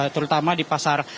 terutama di pasar